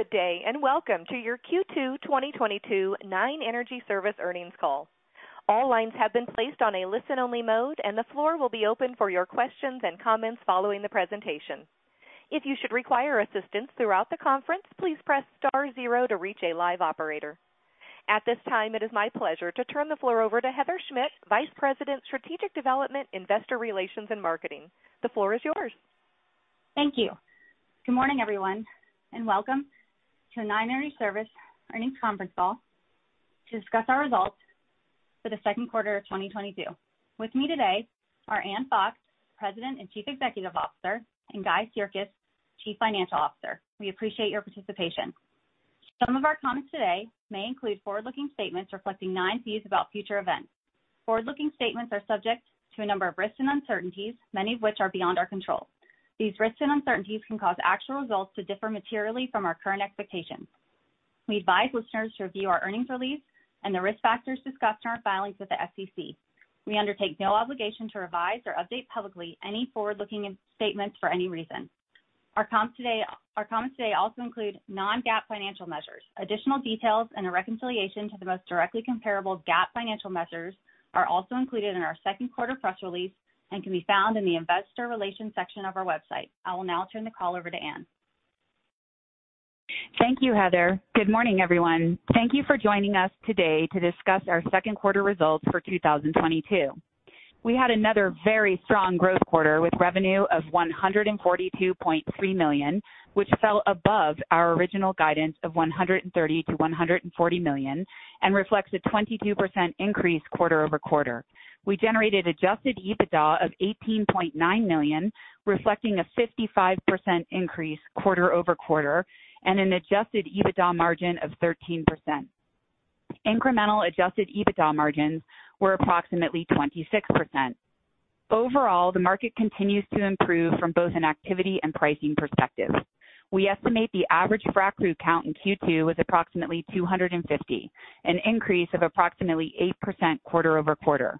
Good day, and welcome to your Q2 2022 Nine Energy Service earnings call. All lines have been placed on a listen-only mode, and the floor will be open for your questions and comments following the presentation. If you should require assistance throughout the conference, please press star zero to reach a live operator. At this time, it is my pleasure to turn the floor over to Heather Schmidt, Vice President, Strategic Development, Investor Relations and Marketing. The floor is yours. Thank you. Good morning, everyone, and welcome to Nine Energy Service earnings conference call to discuss our results for the second quarter of 2022. With me today are Ann Fox, President and Chief Executive Officer, and Guy Sirkes, Chief Financial Officer. We appreciate your participation. Some of our comments today may include forward-looking statements reflecting Nine views about future events. Forward-looking statements are subject to a number of risks and uncertainties, many of which are beyond our control. These risks and uncertainties can cause actual results to differ materially from our current expectations. We advise listeners to review our earnings release and the risk factors discussed in our filings with the SEC. We undertake no obligation to revise or update publicly any forward-looking statements for any reason. Our comments today also include non-GAAP financial measures. Additional details and a reconciliation to the most directly comparable GAAP financial measures are also included in our second quarter press release and can be found in the investor relations section of our website. I will now turn the call over to Ann. Thank you, Heather. Good morning, everyone. Thank you for joining us today to discuss our second quarter results for 2022. We had another very strong growth quarter with revenue of $142.3 million, which fell above our original guidance of $130 million-$140 million, and reflects a 22% increase quarter-over-quarter. We generated Adjusted EBITDA of $18.9 million, reflecting a 55% increase quarter-over-quarter, and an Adjusted EBITDA margin of 13%. Incremental Adjusted EBITDA margins were approximately 26%. Overall, the market continues to improve from both an activity and pricing perspective. We estimate the average frac crew count in Q2 was approximately 250, an increase of approximately 8% quarter-over-quarter.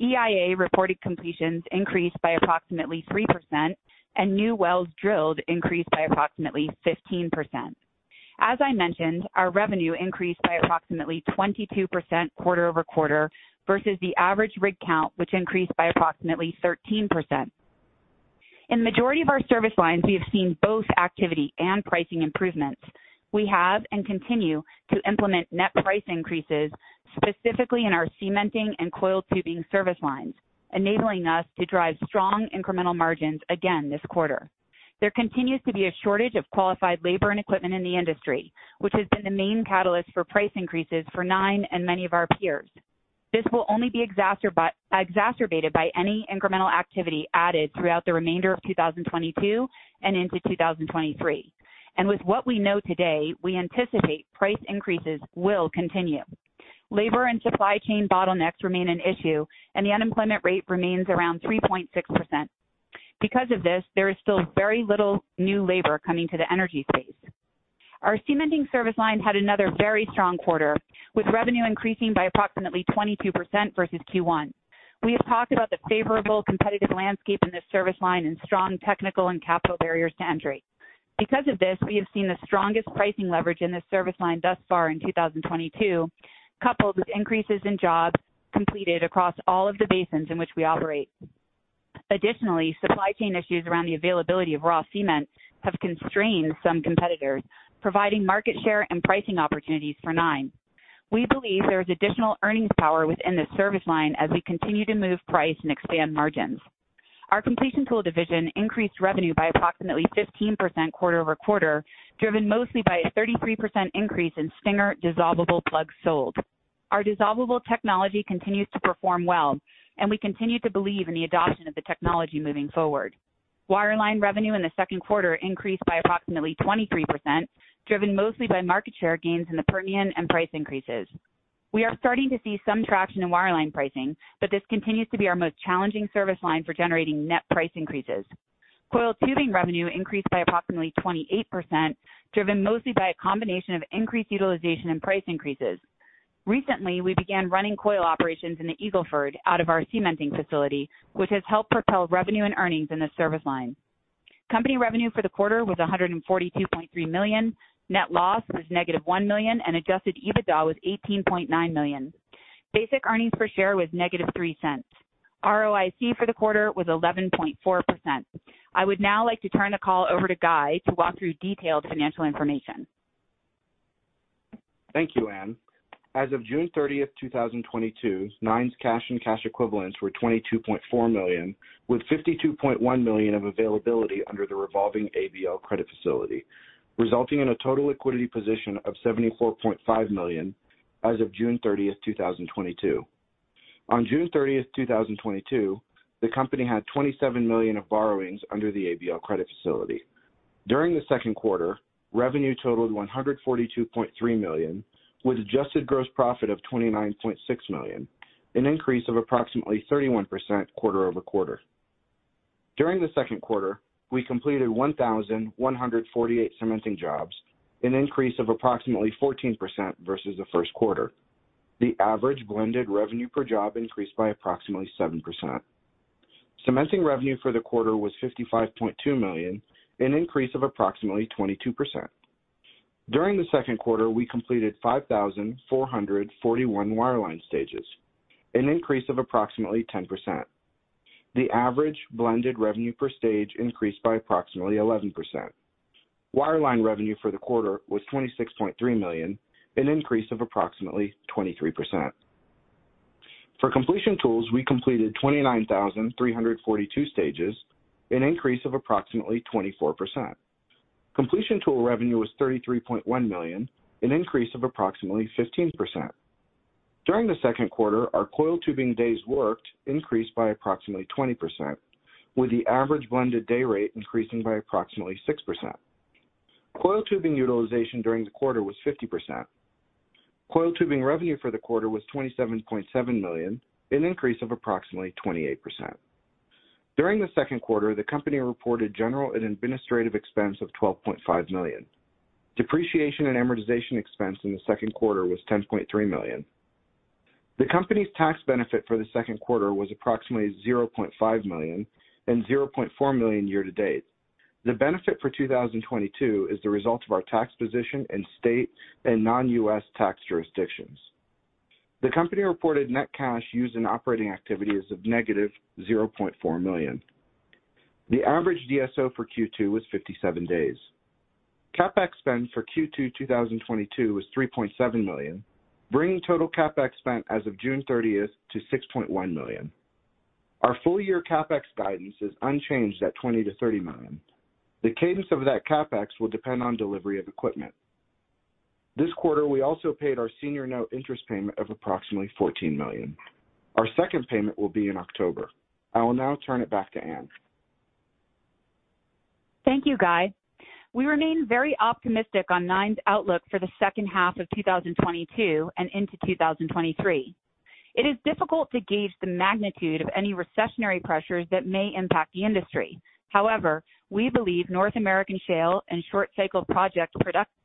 EIA reported completions increased by approximately 3%, and new wells drilled increased by approximately 15%. As I mentioned, our revenue increased by approximately 22% quarter-over-quarter versus the average rig count, which increased by approximately 13%. In majority of our service lines, we have seen both activity and pricing improvements. We have and continue to implement net price increases, specifically in our cementing and coiled tubing service lines, enabling us to drive strong incremental margins again this quarter. There continues to be a shortage of qualified labor and equipment in the industry, which has been the main catalyst for price increases for Nine and many of our peers. This will only be exacerbated by any incremental activity added throughout the remainder of 2022 and into 2023. With what we know today, we anticipate price increases will continue. Labor and supply chain bottlenecks remain an issue, and the unemployment rate remains around 3.6%. Because of this, there is still very little new labor coming to the energy space. Our Cementing Service line had another very strong quarter, with revenue increasing by approximately 22% versus Q1. We have talked about the favorable competitive landscape in this Service line and strong technical and capital barriers to entry. Because of this, we have seen the strongest pricing leverage in this Service line thus far in 2022, coupled with increases in jobs completed across all of the basins in which we operate. Additionally, supply chain issues around the availability of raw cement have constrained some competitors, providing market share and pricing opportunities for Nine. We believe there is additional earnings power within this Service line as we continue to move price and expand margins. Our Completion Tool division increased revenue by approximately 15% quarter-over-quarter, driven mostly by a 33% increase in Stinger Dissolvable Plugs sold. Our Dissolvable technology continues to perform well, and we continue to believe in the adoption of the technology moving forward. Wireline revenue in the second quarter increased by approximately 23%, driven mostly by market share gains in the Permian and price increases. We are starting to see some traction in Wireline pricing, but this continues to be our most challenging service line for generating net price increases. Coiled tubing revenue increased by approximately 28%, driven mostly by a combination of increased utilization and price increases. Recently, we began running coil operations in the Eagle Ford out of our cementing facility, which has helped propel revenue and earnings in the service line. Company revenue for the quarter was $142.3 million. Net loss was $1 million, and Adjusted EBITDA was $18.9 million. Basic earnings per share was -$0.03. ROIC for the quarter was 11.4%. I would now like to turn the call over to Guy to walk through detailed financial information. Thank you, Ann. As of June 30th, 2022, Nine's cash and cash equivalents were $22.4 million, with $52.1 million of availability under the revolving ABL credit facility, resulting in a total liquidity position of $74.5 million as of June 30th, 2022. On June 30th, 2022, the company had $27 million of borrowings under the ABL credit facility. During the second quarter, revenue totaled $142.3 million, with Adjusted gross profit of $29.6 million, an increase of approximately 31% quarter-over-quarter. During the second quarter, we completed 1,148 cementing jobs, an increase of approximately 14% versus the first quarter. The average blended revenue per job increased by approximately 7%. Cementing revenue for the quarter was $55.2 million, an increase of approximately 22%. During the second quarter, we completed 5,441 Wireline stages, an increase of approximately 10%. The average blended revenue per stage increased by approximately 11%. Wireline revenue for the quarter was $26.3 million, an increase of approximately 23%. For Completion tools, we completed 29,342 stages, an increase of approximately 24%. Completion tool revenue was $33.1 million, an increase of approximately 15%. During the second quarter, our Coiled tubing days worked increased by approximately 20%, with the average blended day rate increasing by approximately 6%. Coiled tubing utilization during the quarter was 50%. Coiled tubing revenue for the quarter was $27.7 million, an increase of approximately 28%. During the second quarter, the company reported general and administrative expense of $12.5 million. Depreciation and amortization expense in the second quarter was $10.3 million. The company's tax benefit for the second quarter was approximately $0.5 million and $0.4 million year to date. The benefit for 2022 is the result of our tax position in state and non-U.S. tax jurisdictions. The company reported net cash used in operating activities of -$0.4 million. The average DSO for Q2 was 57 days. CapEx spend for Q2, 2022 was $3.7 million, bringing total CapEx spent as of June 30 to $6.1 million. Our full year CapEx guidance is unchanged at $20 million-$30 million. The cadence of that CapEx will depend on delivery of equipment. This quarter, we also paid our senior note interest payment of approximately $14 million. Our second payment will be in October. I will now turn it back to Ann. Thank you, Guy. We remain very optimistic on Nine's outlook for the second half of 2022 and into 2023. It is difficult to gauge the magnitude of any recessionary pressures that may impact the industry. However, we believe North American shale and Short Cycle Project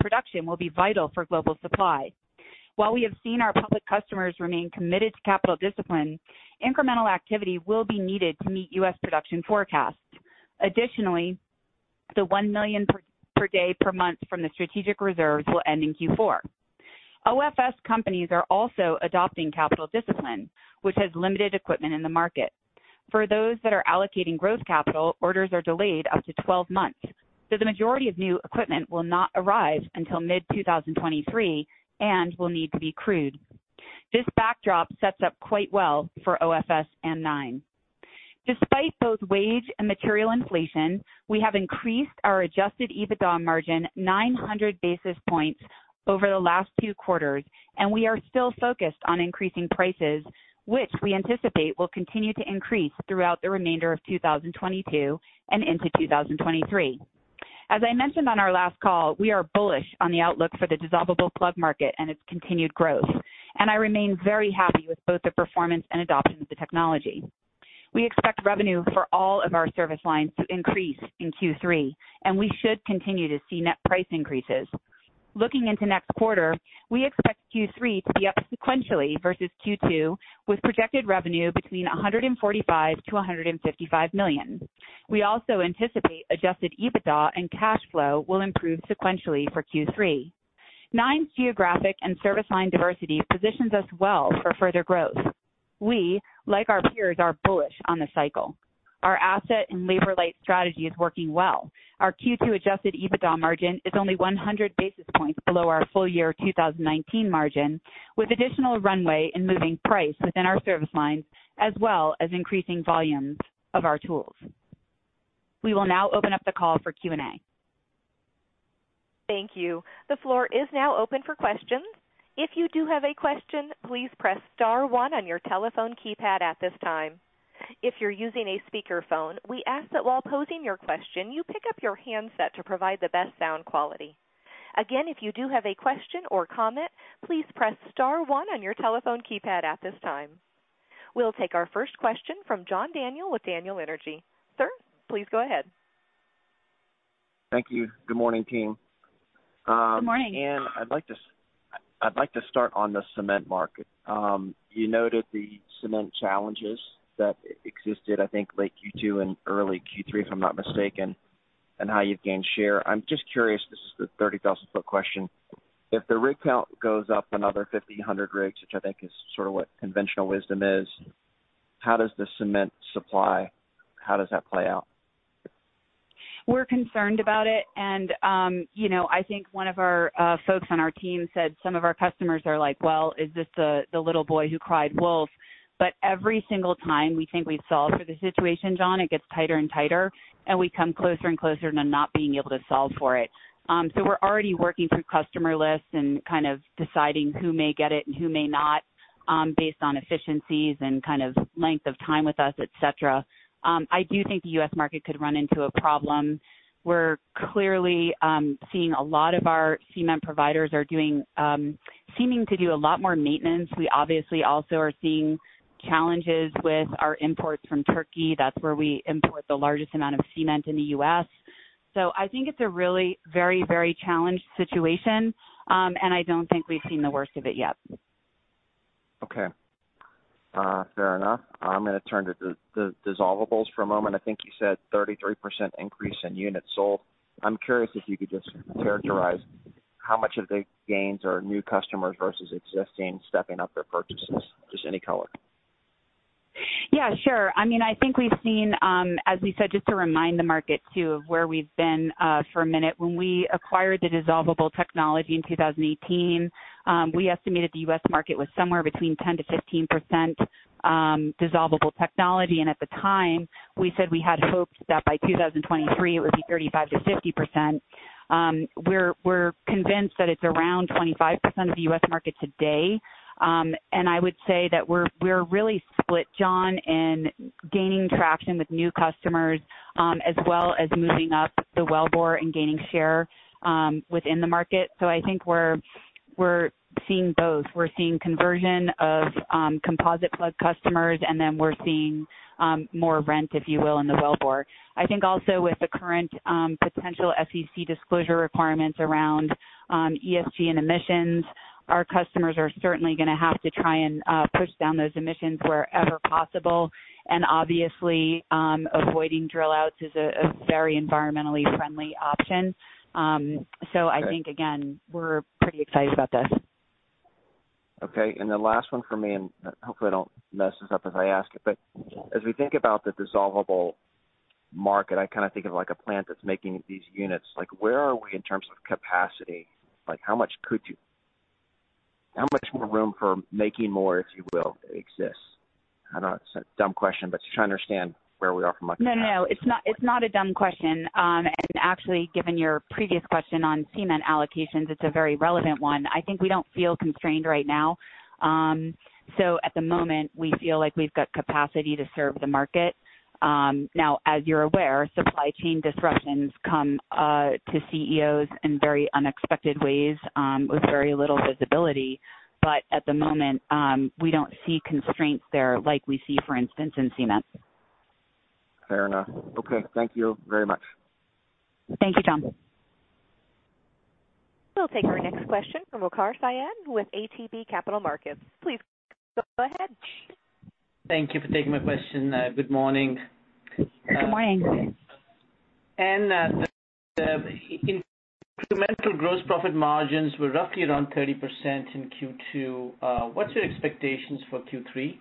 production will be vital for global supply. While we have seen our public customers remain committed to capital discipline, incremental activity will be needed to meet U.S. production forecasts. Additionally, the 1 million bpd from the strategic reserves will end in Q4. OFS companies are also adopting capital discipline, which has limited equipment in the market. For those that are allocating growth capital, orders are delayed up to 12 months. The majority of new equipment will not arrive until mid-2023 and will need to be crewed. This backdrop sets up quite well for OFS and Nine. Despite both wage and material inflation, we have increased our Adjusted EBITDA margin 900 basis points over the last few quarters, and we are still focused on increasing prices, which we anticipate will continue to increase throughout the remainder of 2022 and into 2023. As I mentioned on our last call, we are bullish on the outlook for the Dissolvable Plug market and its continued growth, and I remain very happy with both the performance and adoption of the technology. We expect revenue for all of our service lines to increase in Q3, and we should continue to see net price increases. Looking into next quarter, we expect Q3 to be up sequentially versus Q2, with projected revenue between $145 million-$155 million. We also anticipate Adjusted EBITDA and cash flow will improve sequentially for Q3. Nine's geographic and service line diversity positions us well for further growth. We, like our peers, are bullish on the cycle. Our asset and labor light strategy is working well. Our Q2 Adjusted EBITDA margin is only 100 basis points below our full year 2019 margin, with additional runway in moving price within our service lines, as well as increasing volumes of our tools. We will now open up the call for Q&A. Thank you. The floor is now open for questions. If you do have a question, please press star one on your telephone keypad at this time. If you're using a speakerphone, we ask that while posing your question, you pick up your handset to provide the best sound quality. Again, if you do have a question or comment, please press star one on your telephone keypad at this time. We'll take our first question from John Daniel with Daniel Energy Partners. Sir, please go ahead. Thank you. Good morning, team. Good morning. Ann, I'd like to start on the cement market. You noted the cement challenges that existed, I think late Q2 and early Q3, if I'm not mistaken, and how you've gained share. I'm just curious, this is the 30,000-ft question. If the rig count goes up another 50 rigs-100 rigs, which I think is sort of what conventional wisdom is, how does the cement supply, how does that play out? We're concerned about it. I think one of our folks on our team said some of our customers are like, "Well, is this the little boy who cried wolf?" Every single time we think we've solved for the situation, John, it gets tighter-and-tighter, and we come closer-and-closer to not being able to solve for it. We're already working through customer lists and kind of deciding who may get it and who may not, based on efficiencies and kind of length of time with us, et cetera. I do think the U.S. market could run into a problem. We're clearly seeing a lot of our cement providers are doing seeming to do a lot more maintenance. We obviously also are seeing challenges with our imports from Turkey. That's where we import the largest amount of cement in the U.S. I think it's a really very, very challenged situation, and I don't think we've seen the worst of it yet. Okay. Fair enough. I'm gonna turn to the dissolvables for a moment. I think you said 33% increase in units sold. I'm curious if you could just characterize how much of the gains are new customers versus existing stepping up their purchases? Just any color. Yeah, sure. I mean, I think we've seen, as we said, just to remind the market too of where we've been, for a minute. When we acquired the dissolvable technology in 2018, we estimated the U.S. market was somewhere between 10%-15% dissolvable technology. At the time, we said we had hoped that by 2023 it would be 35%-50%. We're convinced that it's around 25% of the U.S. market today. I would say that we're really split, John, in gaining traction with new customers, as well as moving up the wellbore and gaining share within the market. I think we're seeing both. We're seeing conversion of composite plug customers, and then we're seeing more penetration, if you will, in the wellbore. I think also with the current potential SEC disclosure requirements around ESG and emissions, our customers are certainly gonna have to try and push down those emissions wherever possible. Obviously, avoiding drill outs is a very environmentally friendly option. I think, again, we're pretty excited about this. Okay. The last one for me, and hopefully I don't mess this up as I ask it, but as we think about the dissolvable market, I kind of think of like a plant that's making these units. Like, where are we in terms of capacity? Like, how much more room for making more, if you will, exists? I know it's a dumb question, but just trying to understand where we are from a capacity. No, it's not a dumb question. Actually, given your previous question on cement allocations, it's a very relevant one. I think we don't feel constrained right now. At the moment, we feel like we've got capacity to serve the market. As you're aware, supply chain disruptions come to CEOs in very unexpected ways, with very little visibility. At the moment, we don't see constraints there like we see, for instance, in cement. Fair enough. Okay, thank you very much. Thank you, John. We'll take our next question from Waqar Syed with ATB Capital Markets. Please go ahead. Thank you for taking my question. Good morning. Good morning. Ann, the incremental gross profit margins were roughly around 30% in Q2. What's your expectations for Q3?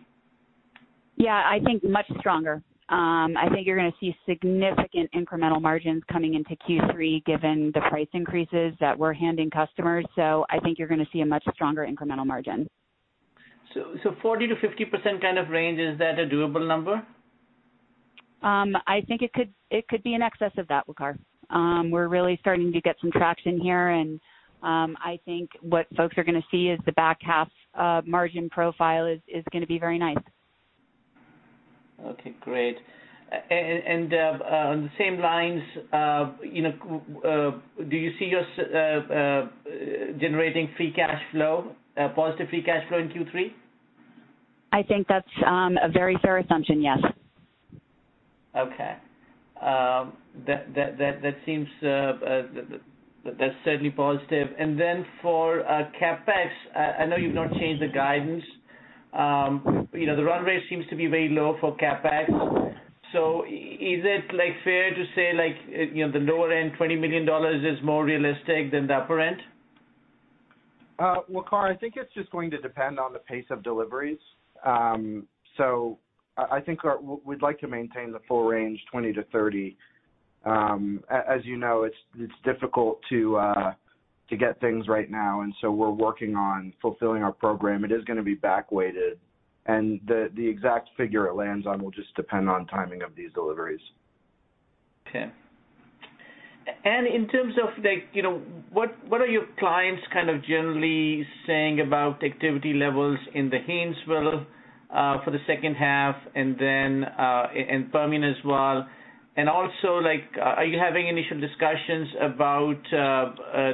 Yeah, I think much stronger. I think you're gonna see significant incremental margins coming into Q3, given the price increases that we're handing customers. I think you're gonna see a much stronger incremental margin. 40%-50% kind of range, is that a doable number? I think it could be in excess of that, Waqar. We're really starting to get some traction here, and I think what folks are gonna see is the back half margin profile is gonna be very nice. Okay, great. Along the same lines, you know, do you see yourself generating free cash flow, positive free cash flow in Q3? I think that's a very fair assumption, yes. Okay. That's certainly positive. Then for CapEx, I know you've not changed the guidance. You know, the runway seems to be very low for CapEx. Is it, like, fair to say, like, you know, the lower end $20 million is more realistic than the upper end? Waqar, I think it's just going to depend on the pace of deliveries. We'd like to maintain the full range, $20 million-$30 million. As you know, it's difficult to get things right now, and so we're working on fulfilling our program. It is gonna be back weighted, and the exact figure it lands on will just depend on timing of these deliveries. Okay. In terms of like, you know, what are your clients kind of generally saying about activity levels in the Haynesville for the second half and then and Permian as well? Like, are you having initial discussions about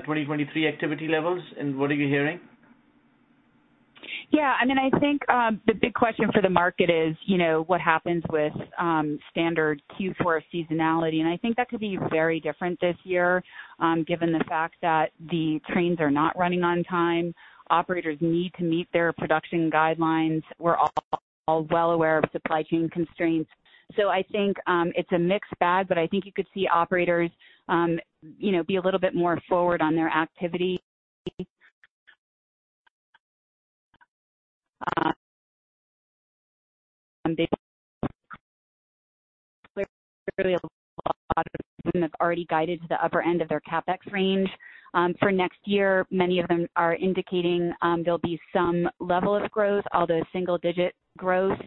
2023 activity levels, and what are you hearing? Yeah, I mean, I think the big question for the market is, you know, what happens with standard Q4 seasonality. I think that could be very different this year, given the fact that the trains are not running on time. Operators need to meet their production guidelines. We're all well aware of supply chain constraints. I think it's a mixed bag, but I think you could see operators, you know, be a little bit more forward on their activity. They have already guided to the upper end of their CapEx range. For next year, many of them are indicating there'll be some level of growth, although single digit growth.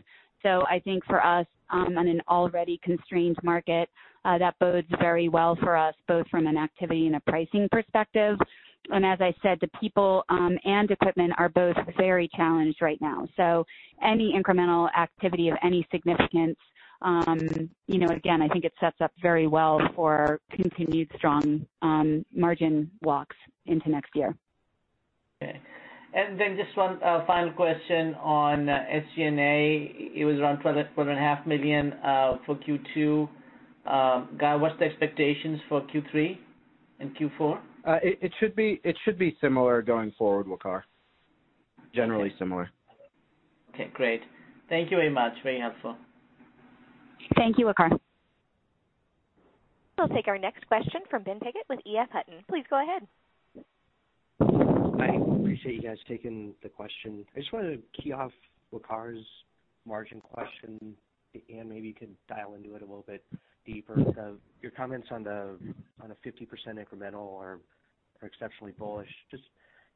I think for us, on an already constrained market, that bodes very well for us, both from an activity and a pricing perspective. As I said, the people, and equipment are both very challenged right now. any incremental activity of any significance, you know, again, I think it sets up very well for continued strong, margin walks into next year. Okay. Just one final question on SG&A. It was around $12 million-$12.5 million for Q2. Guy, what's the expectations for Q3? In Q4? It should be similar going forward, Waqar. Generally similar. Okay, great. Thank you very much. Very helpful. Thank you, Waqar. We'll take our next question from Benjamin Piggott with EF Hutton. Please go ahead. I appreciate you guys taking the question. I just wanted to key off Waqar's margin question. If Ann maybe you could dial into it a little bit deeper. Your comments on a 50% incremental are exceptionally bullish. Just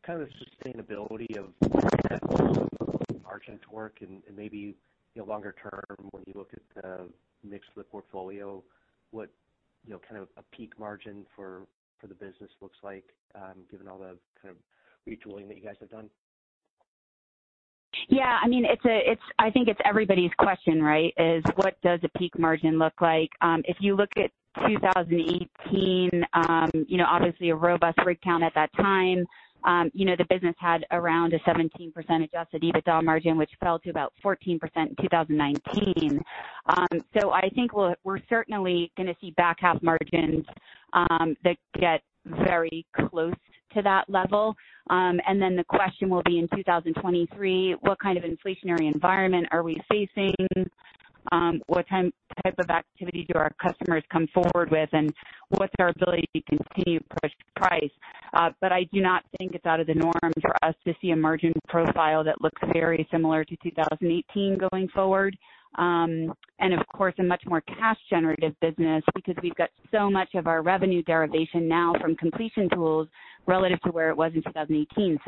kind of the sustainability of margin to work and maybe, you know, longer term, when you look at the mix of the portfolio, what, you know, kind of a peak margin for the business looks like, given all the kind of retooling that you guys have done? Yeah, I mean, I think it's everybody's question, right? What does a peak margin look like? If you look at 2018, you know, obviously a robust rig count at that time, you know, the business had around a 17% Adjusted EBITDA margin, which fell to about 14% in 2019. I think we're certainly gonna see back half margins that get very close to that level. Then the question will be in 2023, what kind of inflationary environment are we facing? What type of activity do our customers come forward with, and what's our ability to continue to push price? I do not think it's out of the norm for us to see a margin profile that looks very similar to 2018 going forward. Of course, a much more cash generative business because we've got so much of our revenue derivation now from completion tools relative to where it was in 2018.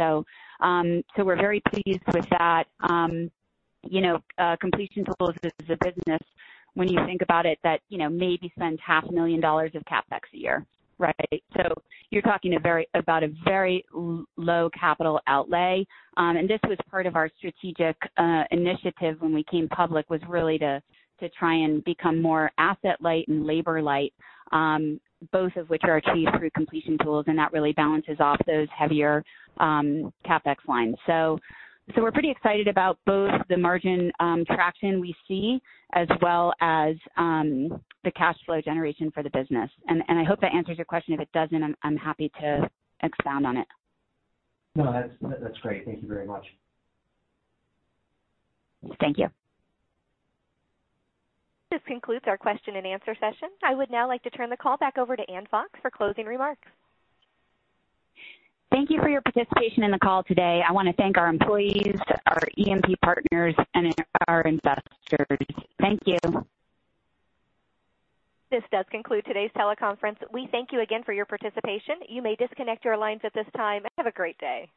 We're very pleased with that. You know, completion tools business is a business when you think about it, that, you know, maybe spend half a million dollars of CapEx a year, right? You're talking about a very low capital outlay. This was part of our strategic initiative when we came public, was really to try and become more asset light and labor light, both of which are achieved through completion tools, and that really balances off those heavier CapEx lines. We're pretty excited about both the margin traction we see as well as the cash flow generation for the business. I hope that answers your question. If it doesn't, I'm happy to expound on it. No, that's great. Thank you very much. Thank you. This concludes our question and answer session. I would now like to turn the call back over to Ann Fox for closing remarks. Thank you for your participation in the call today. I wanna thank our employees, our E&P partners and our investors. Thank you. This does conclude today's teleconference. We thank you again for your participation. You may disconnect your lines at this time. Have a great day.